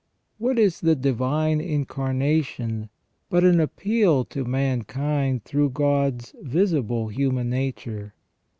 What is the Divine Incarnation but an appeal to mankind through God's visible human nature